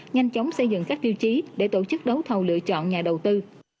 nhanh chóng xây dựng các tiêu chí để tổ chức đấu thầu lựa chọn nhà đầu tư